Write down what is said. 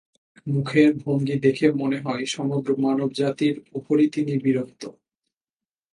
মুখের ভঙ্গি দেখে মনে হয় সমগ্র মানবজাতির উপরই তিনি বিরক্ত।